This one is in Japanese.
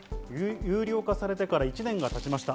有料化されてから１年が経ちました。